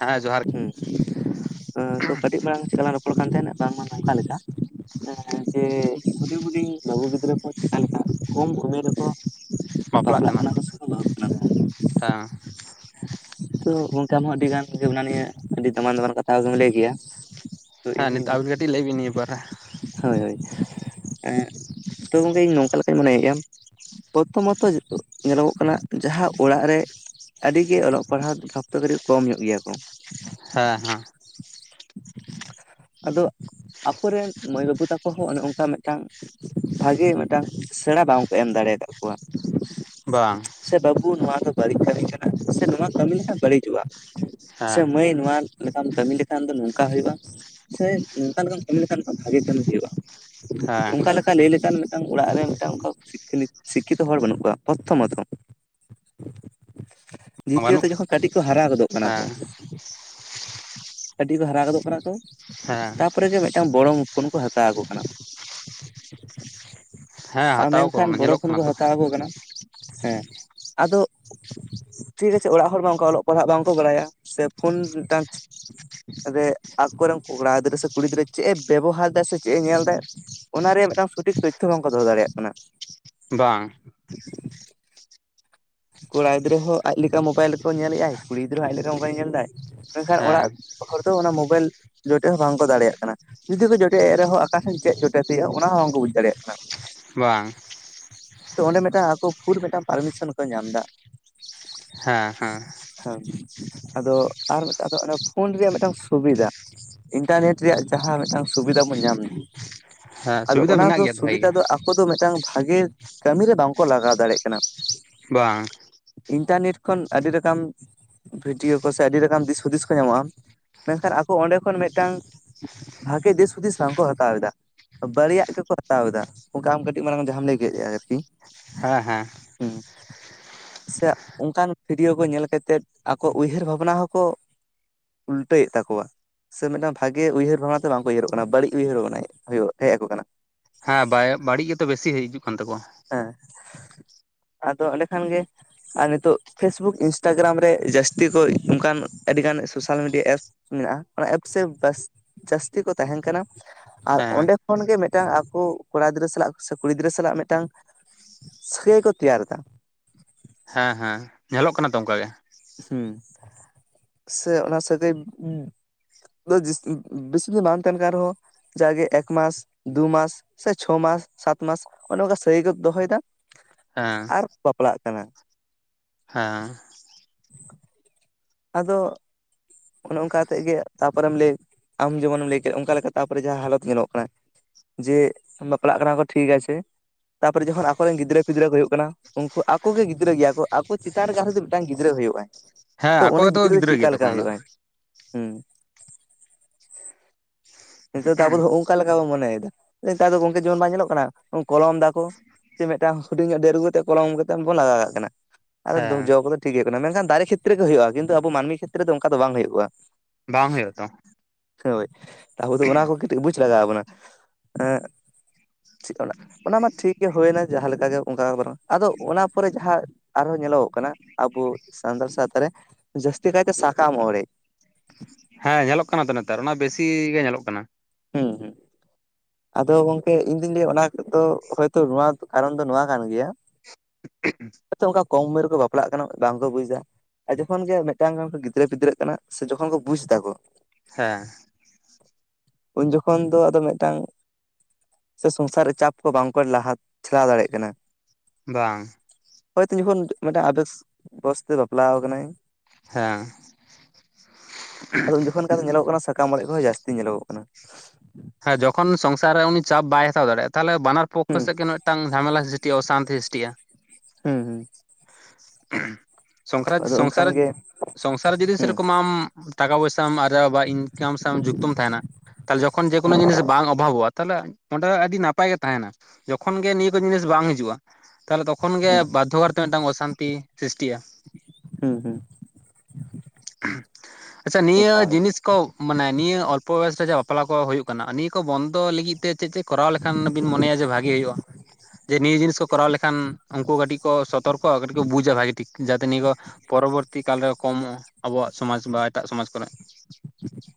ᱦᱮᱸ ᱡᱚᱦᱟᱨ ᱦᱸ ᱛᱚ ᱠᱟᱹᱴᱤᱡ ᱢᱟᱲᱟᱝ ᱪᱮᱫᱠᱟ ᱞᱟᱝ ᱨᱚᱯᱚᱲ ᱠᱟᱱ ᱛᱟᱦᱮᱸᱫ ᱵᱟᱝᱢᱟ ᱱᱚᱝᱠᱟ ᱞᱮᱠᱟ ᱡᱮ ᱦᱩᱰᱤᱧ ᱦᱩᱰᱤᱧ ᱵᱟᱹᱵᱩ ᱜᱤᱫᱽᱨᱟᱹ ᱠᱚ ᱪᱮᱠᱟ ᱞᱮᱠᱟ ᱠᱚᱢ ᱩᱢᱮᱨ ᱨᱮᱠᱚ ᱵᱟᱯᱞᱟᱜ ᱠᱟᱱᱟ ᱠᱚ ᱥᱮᱠᱚ ᱵᱟᱹᱦᱩᱜ ᱠᱟᱱᱟ ᱦᱮᱸ ᱛᱚ ᱜᱚᱢᱠᱮ ᱟᱢ ᱦᱚᱸ ᱟᱹᱰᱤ ᱜᱟᱱ ᱜᱮ ᱚᱱᱟ ᱱᱤᱭᱟᱹ ᱟᱹᱰᱤ ᱫᱟᱢᱟᱱ ᱫᱟᱢᱟᱱ ᱠᱟᱛᱷᱟ ᱠᱚᱢ ᱞᱟᱹᱭ ᱠᱮᱭᱟ ᱛᱚ ᱦᱮᱸ ᱤᱧ ᱱᱤᱛᱚᱜ ᱦᱚᱸᱧ ᱟᱵᱤᱱ ᱠᱟᱹᱴᱤᱡ ᱞᱟᱹᱭ ᱵᱤᱱ ᱱᱤᱭᱟᱹ ᱯᱚᱨᱮ ᱦᱳᱭ ᱦᱳᱭ ᱛᱚ ᱜᱚᱝᱠᱮ ᱤᱧ ᱱᱚᱝᱠᱟ ᱞᱮᱠᱟᱧ ᱢᱚᱱᱮᱭᱮᱜᱼᱟ ᱯᱨᱚᱛᱷᱚ ᱢᱟᱛᱚ ᱧᱮᱞᱚᱜᱚᱜ ᱠᱟᱱᱟ ᱡᱟᱦᱟᱸ ᱚᱲᱟᱜ ᱨᱮ ᱟᱹᱰᱤ ᱜᱮ ᱚᱞᱚᱜ ᱯᱟᱲᱦᱟᱜ [unintelligible] ᱛᱮ ᱠᱟᱹᱴᱤᱡ ᱠᱚᱢ ᱧᱚᱜ ᱜᱮᱭᱟ ᱠᱚ ᱦᱮᱸ ᱦᱮᱸ ᱟᱫᱚ ᱟᱠᱚᱨᱮᱱ ᱢᱟᱹᱭ ᱵᱟᱹᱵᱩ ᱛᱟᱠᱚ ᱦᱚᱸ ᱚᱱᱮ ᱚᱱᱠᱟ ᱢᱤᱫᱴᱟᱝ ᱵᱷᱟᱜᱮ ᱢᱤᱫᱴᱟᱱ ᱥᱮᱬᱟ ᱵᱟᱝᱠᱚ ᱮᱢ ᱫᱟᱲᱮ ᱠᱟᱜ ᱠᱚᱣᱟ ᱵᱟᱝ ᱥᱮ ᱵᱟᱹᱵᱩ ᱱᱚᱣᱟ ᱫᱚ ᱵᱟᱹᱲᱤᱡ ᱠᱟᱹᱢᱤ ᱠᱟᱱᱟ ᱥᱮ ᱱᱚᱣᱟ ᱠᱟᱹᱢᱤ ᱞᱮᱠᱷᱟᱱ ᱵᱟᱹᱲᱤᱡᱚᱜᱼᱟ ᱥᱮ ᱦᱮᱸ ᱢᱟᱹᱭ ᱱᱚᱣᱟ ᱞᱮᱠᱟᱢ ᱠᱟᱹᱢᱤ ᱞᱮᱠᱷᱟᱱ ᱫᱚ ᱱᱚᱝᱠᱟ ᱦᱩᱭᱩᱜᱼᱟ ᱥᱮ ᱱᱚᱝᱠᱟ ᱞᱮᱠᱟᱢ ᱠᱟᱹᱢᱤ ᱞᱮᱠᱷᱟᱱ ᱫᱚ ᱵᱷᱟᱜᱮ ᱠᱟᱹᱢᱤ ᱦᱩᱭᱩᱜᱼᱟ ᱦᱮᱸ ᱚᱱᱠᱟ ᱞᱮᱠᱟ ᱞᱟᱹᱭ ᱞᱮᱠᱷᱟᱱ ᱢᱤᱫᱴᱟᱱ ᱚᱲᱟᱜ ᱨᱮ ᱢᱤᱫᱴᱟᱱ ᱥᱤᱠᱠᱷᱤᱛᱚ ᱦᱚᱲ ᱵᱟᱹᱱᱩᱜ ᱠᱚᱣᱟ ᱯᱨᱚᱛᱛᱷᱚᱢᱚᱛᱚ [inaudible] ᱫᱤᱛᱤᱭᱚ ᱛᱚ ᱵᱟᱹᱱᱩᱜ ᱡᱚᱠᱷᱚᱱ ᱠᱟᱹᱴᱤᱡ ᱠᱚ ᱦᱟᱨᱟ ᱜᱚᱫᱚᱜ ᱠᱟᱱᱟ ᱠᱚ ᱦᱮᱸ ᱠᱟᱹᱴᱤᱡ ᱠᱚ ᱦᱟᱨᱟ ᱜᱚᱫᱚᱜ ᱠᱟᱱᱟ ᱠᱚ ᱦᱮᱸ ᱛᱟᱯᱚᱨᱮ ᱜᱮ ᱢᱤᱫᱴᱟᱝ ᱵᱚᱲᱚ ᱯᱷᱳᱱ ᱠᱚ ᱦᱟᱛᱟᱣ ᱟᱠᱚ ᱠᱟᱱᱟ ᱦᱮᱸ ᱟᱨ ᱦᱟᱛᱟᱣ ᱠᱚ ᱢᱮᱱᱠᱷᱟᱱ ᱚᱱᱟ ᱧᱮᱞᱚᱜ ᱵᱚᱲᱚᱯᱷᱳᱱ ᱠᱟᱱᱟ ᱠᱚ ᱛᱚ ᱦᱟᱛᱟᱣ ᱠᱚ ᱠᱟᱱᱟ ᱦᱮᱸ ᱟᱫᱚ ᱴᱷᱤᱠ ᱟᱪᱷᱮ ᱚᱲᱟᱜ ᱦᱚᱲᱢᱟ ᱚᱱᱠᱟ ᱚᱞᱚᱜ ᱯᱟᱲᱦᱟᱜ ᱵᱟᱝᱠᱚ ᱵᱟᱲᱟᱭᱟ ᱥᱮ ᱯᱷᱳᱱ ᱴᱟᱪ ᱟᱠᱚᱨᱮᱱ ᱠᱚᱲᱟ ᱜᱤᱫᱽᱨᱟᱹ ᱥᱮ ᱠᱩᱲᱤ ᱜᱤᱫᱽᱨᱟᱹ ᱪᱮᱫ ᱮ ᱵᱮᱵᱚᱦᱟᱨ ᱫᱟ ᱥᱮ ᱪᱮᱫ ᱮ ᱧᱮᱞ ᱫᱟᱭ ᱚᱱᱟ ᱨᱮᱭᱟᱜ ᱢᱤᱫᱴᱟᱝ ᱥᱚᱴᱷᱤᱠ ᱛᱚᱛᱛᱷᱚ ᱵᱟᱝᱠᱚ ᱫᱚᱦᱚ ᱫᱟᱲᱮᱭᱟᱜ ᱠᱟᱱᱟ ᱵᱟᱝ ᱠᱚᱲᱟ ᱜᱤᱫᱽᱨᱟᱹ ᱦᱚᱸ ᱟᱡ ᱞᱮᱠᱟ ᱢᱳᱵᱟᱭᱤᱞ ᱠᱚ ᱧᱮᱞᱮᱫ ᱟᱭ ᱠᱩᱲᱤ ᱜᱤᱫᱽᱨᱟᱹ ᱦᱚᱸ ᱟᱡ ᱞᱮᱠᱟ ᱢᱳᱵᱟᱭᱤᱞ ᱧᱮᱞᱫᱟᱭ ᱢᱮᱱᱠᱷᱟᱱ ᱦᱮᱸ ᱚᱲᱟᱜ ᱦᱚᱲ ᱫᱚ ᱚᱱᱟ ᱢᱳᱵᱟᱭᱤᱞ ᱡᱚᱴᱮᱫ ᱦᱚᱸ ᱵᱟᱝᱠᱚ ᱫᱟᱲᱮᱭᱟᱜ ᱠᱟᱱᱟ ᱡᱩᱫᱤ ᱠᱚ ᱡᱚᱴᱮᱫ ᱮ ᱨᱮᱦᱚᱸ ᱟᱠᱟ ᱴᱷᱮᱱ ᱪᱮᱫ ᱡᱚᱴᱮᱛ ᱦᱩᱭᱩᱜᱼᱟ ᱚᱱᱟ ᱦᱚᱸ ᱵᱟᱝᱠᱚ ᱵᱩᱡᱽ ᱫᱟᱲᱮᱭᱟᱜ ᱠᱟᱱᱟ ᱵᱟᱝ ᱛᱚ ᱚᱸᱰᱮ ᱢᱤᱫᱴᱟᱝ ᱟᱠᱚ ᱯᱷᱩᱞ ᱢᱤᱫᱴᱟᱝ ᱯᱟᱨᱢᱤᱥᱚᱱ ᱠᱚ ᱧᱟᱢ ᱫᱟ ᱦᱮᱸ ᱦᱮᱸ ᱦᱮᱸ ᱟᱫᱚ ᱟᱨ ᱢᱤᱫᱴᱟᱝ ᱫᱚ ᱚᱱᱟ ᱯᱷᱳᱱ ᱨᱮᱭᱟᱜ ᱢᱤᱫᱴᱟᱝ ᱥᱩᱵᱤᱫᱷᱟ ᱤᱱᱴᱟᱨᱱᱮᱴ ᱨᱮᱭᱟᱜ ᱡᱟᱦᱟᱸ ᱢᱤᱫᱴᱟᱝ ᱥᱩᱵᱤᱫᱷᱟ ᱵᱚᱱ ᱧᱟᱢᱫᱟ ᱦᱮᱸ ᱟᱫᱚ ᱥᱩᱵᱤᱫᱷᱟ ᱚᱱᱟ ᱢᱮᱱᱟᱜ ᱫᱚ ᱜᱮᱭᱟ ᱵᱷᱟᱜᱮ ᱥᱩᱵᱤᱫᱟ ᱜᱮ ᱫᱚ ᱟᱠᱚ ᱫᱚ ᱢᱤᱫᱴᱟᱝ ᱵᱷᱟᱜᱮ ᱠᱟᱹᱢᱤ ᱨᱮ ᱵᱟᱝᱠᱚ ᱞᱟᱜᱟᱣ ᱫᱟᱲᱮᱭᱟᱜ ᱠᱟᱱᱟ ᱵᱟᱝ ᱤᱱᱴᱟᱨᱱᱮᱴ ᱠᱷᱚᱱ ᱟᱹᱰᱤ ᱨᱚᱠᱚᱢ ᱵᱷᱤᱰᱭᱳ ᱠᱚ ᱥᱮ ᱟᱹᱰᱤ ᱨᱚᱠᱚᱢ ᱫᱤᱥ ᱦᱩᱫᱤᱥ ᱠᱚ ᱧᱟᱢᱚᱜᱼᱟ ᱢᱮᱱᱠᱷᱟᱱ ᱟᱠᱚ ᱚᱸᱰᱮ ᱠᱷᱚᱱ ᱢᱤᱫᱴᱟᱝ ᱵᱷᱟᱜᱮ ᱫᱤᱥ ᱦᱩᱫᱤᱥ ᱵᱟᱝᱠᱚ ᱦᱟᱛᱟᱣ ᱮᱫᱟ ᱵᱟᱨᱭᱟ ᱜᱮᱠᱚ ᱦᱟᱛᱟᱣ ᱮᱫᱟ ᱚᱱᱠᱟ ᱟᱢ ᱠᱟᱹᱴᱤᱡ ᱢᱟᱲᱟᱝ ᱡᱟᱦᱟᱸᱢ ᱞᱟᱹᱭ ᱠᱮᱫ ᱟᱨᱠᱤ ᱦᱮᱸ ᱦᱮᱸ ᱦᱸ ᱥᱮ ᱚᱱᱠᱟᱱ ᱵᱷᱤᱰᱭᱳ ᱠᱚ ᱧᱮᱞ ᱠᱟᱛᱮᱫ ᱟᱠᱚ ᱩᱭᱦᱟᱹᱨ ᱵᱷᱟᱵᱽᱱᱟ ᱦᱚᱸᱠᱚ ᱩᱞᱴᱟᱹᱭᱮᱫ ᱛᱟᱠᱚᱣᱟ ᱥᱮ ᱢᱤᱫᱴᱟᱝ ᱵᱷᱟᱜᱮ ᱩᱭᱦᱟᱹᱨ ᱵᱷᱟᱵᱽᱱᱟ ᱛᱮ ᱵᱟᱝᱠᱚ ᱩᱭᱦᱟᱹᱨᱚᱜ ᱠᱟᱱᱟ ᱵᱟᱹᱲᱤᱡ ᱩᱭᱦᱟᱹᱨ ᱵᱷᱟᱵᱽᱱᱟᱭ ᱦᱮᱡ ᱟᱠᱚ ᱠᱟᱱᱟ ᱦᱮᱸ ᱵᱟᱹᱲᱤᱡ ᱜᱮᱛᱚ ᱵᱮᱥᱤ ᱦᱤᱡᱩᱜ ᱠᱟᱱ ᱛᱟᱠᱚᱣᱟ ᱦᱮᱸ ᱟᱫᱚ ᱮᱸᱰᱮ ᱠᱷᱟᱱ ᱜᱮ ᱟᱨ ᱱᱤᱛᱚᱜ ᱯᱷᱮᱥᱵᱩᱠ ᱤᱱᱥᱴᱟᱜᱨᱟᱢ ᱨᱮ ᱡᱟᱹᱥᱛᱤ ᱠᱚ ᱚᱱᱠᱟᱱ ᱟᱹᱰᱤᱜᱟᱱ ᱥᱳᱥᱟᱞ ᱢᱤᱰᱤᱭᱟ ᱮᱯᱥ ᱢᱮᱱᱟᱜᱼᱟ ᱚᱱᱟ ᱮᱯᱥ ᱡᱟᱹᱥᱛᱤ ᱠᱚ ᱛᱟᱦᱮᱱ ᱠᱟᱱᱟ ᱟᱨ ᱦᱮᱸ ᱚᱸᱰᱮ ᱠᱷᱚᱱ ᱜᱮ ᱢᱤᱫᱴᱟᱝ ᱟᱠᱚ ᱠᱚᱲᱟ ᱜᱤᱫᱽᱨᱟᱹ ᱥᱟᱞᱟᱜ ᱥᱮ ᱠᱩᱲᱤ ᱜᱤᱫᱽᱨᱟᱹ ᱥᱟᱞᱟᱜ ᱢᱤᱫᱴᱟᱝ ᱥᱮ ᱠᱚ ᱛᱮᱭᱟᱨᱫᱟ ᱦᱮᱸ ᱦᱮᱸ ᱧᱮᱞᱚᱜ ᱠᱟᱱᱟ ᱛᱚ ᱚᱱᱠᱟ ᱜᱮ ᱦᱮᱸ ᱥᱮ ᱚᱱᱟ ᱥᱟᱹᱜᱟᱹᱭ ᱵᱮᱥᱤ ᱫᱤᱱ ᱵᱟᱝ ᱛᱟᱦᱮᱱ ᱠᱟᱱ ᱨᱮᱦᱚᱸ ᱡᱟᱜᱮ ᱮᱠᱢᱟᱟᱥ ᱫᱩᱢᱟᱟᱥ ᱥᱮ ᱪᱷᱚ ᱢᱟᱥ ᱥᱟᱛᱢᱟᱟᱥ ᱚᱱᱮ ᱚᱱᱠᱟ ᱥᱟᱹᱜᱟᱹᱭ ᱠᱚ ᱫᱚᱦᱚᱭᱮᱫᱟ ᱦᱮᱸ ᱟᱨ ᱵᱟᱯᱞᱟᱜ ᱠᱟᱱᱟ ᱦᱮᱸ [inaudible] ᱟᱫᱚ ᱚᱱᱮ ᱚᱱᱠᱟ ᱠᱟᱛᱮᱫᱜ ᱜᱮ ᱛᱟᱯᱚᱨᱮᱢ ᱞᱟᱹᱭ ᱟᱢ ᱡᱮᱢᱚᱱᱮᱢ ᱞᱟᱹᱭ ᱠᱮᱫ ᱚᱱᱠᱟ ᱞᱮᱠᱟ ᱛᱟᱯᱚᱨᱮ ᱡᱟᱦᱟᱸ ᱦᱟᱞᱚᱛ ᱧᱮᱞᱚᱜ ᱠᱟᱱᱟ ᱡᱮ ᱵᱟᱯᱞᱟᱜ ᱠᱟᱱᱟ ᱠᱚ ᱴᱷᱤᱠ ᱟᱪᱷᱮ ᱛᱟᱯᱚᱨᱮ ᱡᱚᱠᱷᱚᱱ ᱟᱠᱚᱨᱮᱱ ᱜᱤᱫᱽᱨᱟᱹ ᱜᱤᱫᱽᱨᱟᱹ ᱠᱚ ᱦᱩᱭᱩᱜ ᱠᱟᱱᱟ ᱩᱱᱠᱩ ᱟᱠᱚ ᱜᱮ ᱜᱤᱫᱽᱨᱟᱹ ᱜᱮᱭᱟ ᱠᱚ ᱟᱠᱚ ᱪᱮᱛᱟᱱ ᱨᱮᱜᱤ ᱢᱤᱫᱴᱟᱝ ᱜᱤᱫᱽᱨᱟᱹ ᱦᱩᱭᱩᱜᱼᱟ ᱦᱮᱸ ᱛᱚ ᱟᱠᱚ ᱚᱱᱮ ᱜᱮᱛᱚ ᱜᱤᱫᱽᱨᱟᱹ ᱫᱚ ᱜᱮᱭᱟ ᱪᱮᱫᱠᱟ ᱞᱮᱠᱟ ᱛᱚᱠᱷᱚᱱ ᱫᱚ ᱦᱩᱭᱩᱜᱼᱟ ᱦᱮᱸ ᱱᱤᱛᱟᱨ ᱫᱚ ᱟᱵᱚ ᱫᱚ ᱚᱱᱠᱟ ᱞᱮᱠᱟ ᱵᱚ ᱢᱚᱱᱮᱭᱟ ᱱᱮᱛᱟᱨ ᱫᱚ ᱜᱚᱝᱠᱮ ᱡᱮᱢᱚᱱ ᱵᱟᱝ ᱧᱮᱞᱚᱜ ᱠᱟᱱᱟ ᱠᱚᱞᱚᱢ ᱫᱟᱠᱚ ᱪᱮ ᱢᱤᱫᱴᱟᱝ ᱦᱩᱰᱤᱧᱚᱜ ᱰᱟᱹᱨ ᱟᱹᱜᱩ ᱠᱟᱛᱮᱫ ᱠᱚᱞᱚᱢ ᱠᱟᱛᱮ ᱵᱚᱱ ᱞᱟᱜᱟᱣ ᱠᱟᱜ ᱠᱟᱱᱟ ᱟᱨ ᱦᱮᱸ ᱡᱚ ᱠᱚᱫᱚ ᱴᱷᱤᱠ ᱜᱮ ᱦᱩᱭᱩᱜ ᱠᱟᱱᱟ ᱢᱮᱱᱠᱷᱟᱱ ᱫᱟᱨᱮ ᱠᱷᱮᱛᱨᱚ ᱨᱮ ᱜᱮ ᱦᱩᱭᱩᱜᱼᱟ ᱠᱤᱱᱛᱩ ᱟᱵᱚ ᱢᱟᱹᱱᱢᱤ ᱠᱷᱮᱛᱨᱚ ᱨᱮ ᱫᱚ ᱚᱱᱠᱟ ᱫᱚ ᱵᱟᱝ ᱦᱩᱭᱩᱜᱼᱟ ᱵᱟᱝ ᱦᱩᱭᱩᱜ ᱛᱚ ᱦᱚᱭ ᱟᱵᱚ ᱫᱚ ᱚᱱᱟ ᱠᱚ ᱠᱟᱹᱴᱤᱡ ᱵᱩᱡᱽ ᱞᱟᱜᱟᱣ ᱟᱵᱚᱱᱟ ᱦᱮᱸ ᱤᱠ ᱚᱱᱟ ᱢᱟ ᱴᱷᱤᱠ ᱜᱮ ᱦᱩᱭᱱᱟ ᱡᱟᱸᱦᱟ ᱞᱮᱠᱟ ᱜᱮ ᱚᱱᱠᱟ ᱜᱮ ᱵᱚᱨᱚᱝ ᱟᱫᱚ ᱚᱱᱟ ᱯᱚᱨᱮ ᱡᱟᱦᱟᱸᱭ ᱟᱨᱦᱚᱸ ᱧᱮᱞᱚᱜᱚᱜ ᱠᱟᱱᱟ ᱟᱵᱚ ᱥᱟᱱᱛᱟᱲ ᱥᱟᱶᱛᱟ ᱨᱮ ᱡᱟᱹᱥᱛᱤ ᱠᱟᱭᱛᱮ ᱥᱟᱠᱟᱢ ᱚᱲᱮᱡ ᱦᱮᱸ ᱧᱮᱞᱚᱜ ᱠᱟᱱᱟ ᱛᱚ ᱱᱮᱛᱟᱨ ᱚᱱᱟ ᱵᱮᱥᱤ ᱜᱮ ᱧᱮᱞᱚᱜ ᱠᱟᱱᱟ ᱦᱮᱸ ᱦᱮᱸ ᱟᱫᱚ ᱜᱚᱝᱠᱮ ᱤᱧ ᱫᱩᱧ ᱞᱟᱹᱭᱟ ᱚᱱᱟᱫᱚ ᱦᱚᱭᱛ ᱱᱚᱣᱟ ᱠᱟᱨᱚᱱ ᱫᱚ ᱱᱚᱣᱟ ᱠᱟᱱ ᱜᱮᱭᱟ ᱚᱱᱠᱟ ᱠᱚᱢ ᱩᱢᱮᱨ ᱨᱮᱠᱚ ᱵᱟᱯᱞᱟᱜ ᱠᱟᱱᱟ ᱵᱟᱝᱠᱚ ᱵᱩᱡᱟ ᱟᱨ ᱡᱚᱠᱷᱚᱱ ᱜᱮ ᱢᱤᱫᱴᱟᱝ ᱜᱤᱫᱽᱨᱟᱹ ᱯᱤᱫᱽᱨᱟᱹᱜ ᱠᱟᱱᱟ ᱥᱮ ᱡᱚᱠᱷᱚᱱ ᱠᱚ ᱵᱩᱡ ᱫᱟ ᱠᱚ ᱦᱮᱸ ᱩᱱ ᱡᱚᱠᱷᱚᱱ ᱫᱚ ᱟᱫᱚ ᱢᱤᱫᱴᱟᱝ ᱥᱮ ᱥᱚᱝᱥᱟᱨ ᱪᱟᱯ ᱠᱚ ᱵᱟᱝᱠᱚ ᱞᱟᱦᱟ ᱪᱷᱟᱞᱟᱣ ᱫᱟᱲᱮᱭᱟᱜ ᱠᱟᱱᱟ ᱵᱟᱝ ᱦᱳᱭ ᱛᱤᱚᱠᱷᱚᱱ ᱢᱤᱫᱴᱟᱝ ᱟᱵᱮᱥ ᱵᱚᱭᱚᱥ ᱛᱮ ᱵᱟᱯᱞᱟ ᱟᱠᱟᱱᱟᱭ ᱦᱮᱸ ᱟᱫᱚ ᱡᱚᱠᱷᱚᱱ ᱠᱟᱛᱮ ᱧᱮᱞᱚᱜᱽ-ᱚᱜ ᱠᱟᱱᱟ ᱥᱟᱠᱟᱢ ᱚᱲᱮᱡ ᱠᱚ ᱡᱟᱹᱥᱛᱤ ᱧᱮᱞᱚᱜᱽ-ᱚᱜ ᱠᱟᱱᱟ ᱦᱮᱸ ᱡᱚᱠᱷᱚᱱ ᱥᱚᱝᱥᱟᱨ ᱩᱱᱤ ᱪᱟᱯ ᱵᱟᱭ ᱦᱟᱛᱟᱣ ᱫᱟᱲᱮᱭᱟᱜ ᱛᱟᱦᱚᱞᱮ ᱵᱟᱱᱟᱨ ᱯᱚᱠᱷᱚ ᱦᱩᱸ ᱥᱮᱫ ᱠᱤᱱ ᱢᱮ ᱢᱤᱫ ᱴᱟᱝ ᱡᱷᱟᱢᱮᱞᱟ ᱥᱨᱤᱥᱴᱤᱼᱟ ᱚᱥᱟᱱᱛᱤ ᱥᱤᱥᱴᱤᱼᱟ ᱦᱩᱸ ᱦᱩᱸ ᱥᱚᱝᱟᱨ ᱟᱫᱚ ᱚᱱᱠᱷᱟᱱ ᱥᱚᱝᱥᱟᱨ ᱜᱮ ᱥᱚᱝᱥᱟᱨᱮ ᱡᱩᱫᱤ ᱦᱩᱸ ᱥᱮᱨᱚᱠᱚᱢ ᱟᱢ ᱴᱟᱠᱟ ᱯᱚᱭᱥᱟᱢ ᱟᱨᱡᱟᱣ ᱵᱟ ᱤᱱᱠᱟᱢ ᱥᱟ ᱡᱩᱠᱛᱚᱢ ᱛᱟᱦᱮᱱᱟ ᱛᱚᱠᱷᱚᱱ ᱡᱮᱠᱳᱱᱳ ᱡᱤᱱᱤᱥ ᱵᱟᱝ ᱚᱵᱷᱟᱵᱚᱜᱼᱟ ᱛᱟᱦᱚᱞᱮ ᱚᱸᱰᱮ ᱟᱹᱰᱤ ᱱᱟᱯᱟᱭ ᱜᱮ ᱛᱟᱦᱮᱱᱟ ᱡᱚᱠᱷᱚᱱ ᱜᱮ ᱱᱤᱭᱟᱹ ᱠᱚ ᱡᱤᱱᱤᱥ ᱵᱟᱝ ᱦᱤᱡᱩᱜᱼᱟ ᱛᱟᱦᱚᱞᱮ ᱛᱚᱠᱷᱚᱱ ᱜᱮ ᱵᱟᱫᱷᱚᱠᱟᱨᱛᱮ ᱢᱤᱫᱴᱟᱝ ᱚᱥᱟᱱᱛᱤ ᱥᱨᱤᱥᱴᱤᱜᱼᱟ ᱦᱮᱸ ᱦᱮᱸ ᱟᱪᱪᱷᱟ ᱱᱤᱭᱟᱹ ᱮᱠᱟᱞ ᱡᱤᱱᱤᱥ ᱠᱚ ᱢᱟᱱᱮ ᱱᱤᱭᱟᱹ ᱚᱞᱯᱚ ᱵᱚᱭᱚᱥ ᱨᱮ ᱡᱮ ᱵᱟᱯᱞᱟ ᱠᱚ ᱦᱩᱭᱩᱜ ᱠᱟᱱᱟ ᱱᱤᱭᱟᱹ ᱠᱚ ᱵᱚᱱᱫᱚ ᱞᱟᱹᱜᱤᱫ ᱛᱮ ᱪᱮᱫ ᱪᱮᱫ ᱠᱚᱨᱟᱣ ᱞᱮᱠᱷᱟᱱ ᱵᱤᱱ ᱢᱚᱱᱮᱭᱟ ᱡᱮ ᱵᱷᱟᱜᱤ ᱦᱩᱭᱩᱜᱼᱟ ᱡᱮ ᱱᱤᱭᱟᱹ ᱡᱤᱱᱤᱥ ᱠᱚ ᱠᱚᱨᱟᱣ ᱞᱮᱠᱷᱟᱱ ᱩᱱᱠᱩ ᱠᱟᱹᱴᱤᱡ ᱠᱚ ᱥᱚᱛᱚᱨᱠᱚᱚᱜᱼᱟ ᱠᱟᱹᱴᱤᱡ ᱠᱚ ᱵᱩᱡᱟ ᱵᱷᱟᱜᱤ ᱴᱷᱤᱠ ᱴᱷᱤᱠ ᱡᱟᱛᱮ ᱱᱤᱭᱟᱹ ᱠᱚ ᱯᱚᱨᱚᱵᱚᱨᱛᱤ ᱠᱟᱞ ᱨᱮ ᱠᱚᱢᱚᱜᱼᱟ ᱟᱵᱚᱣᱟᱜ ᱥᱚᱢᱟᱡᱽ ᱵᱟ ᱮᱴᱟᱜ ᱥᱚᱢᱟᱡᱽ ᱠᱚᱨᱮ